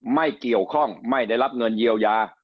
ไม่เกี่ยวข้องไม่ได้รับเงินเยียวยา